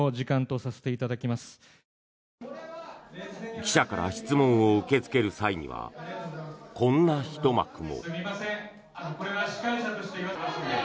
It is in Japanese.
記者から質問を受け付ける際にはこんなひと幕も。